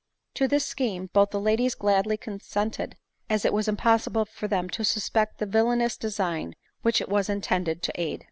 To this scheme both the ladies gladly consented, as it was impossible for them to suspect the villanous design which it was intended to aid.